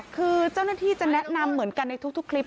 คือเจ้าหน้าที่จะแนะนำเหมือนกันในทุกคลิป